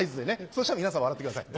そしたら皆さん笑ってください。